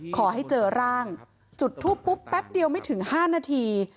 ขอให้เจอร่างจุดทูปปุ๊บแป๊บเดียวไม่ถึง๕นาที